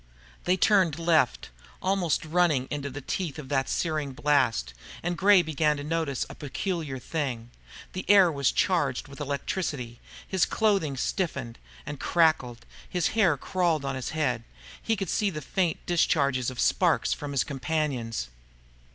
They turned left, almost running in the teeth of that searing blast. And Gray began to notice a peculiar thing. The air was charged with electricity. His clothing stiffened and crackled. His hair crawled on his head. He could see the faint discharges of sparks from his companions.